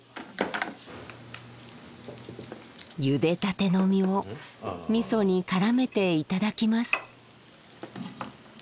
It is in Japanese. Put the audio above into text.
ゆでたての身をみそにからめていただきます。